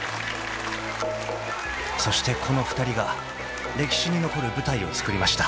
［そしてこの２人が歴史に残る舞台をつくりました］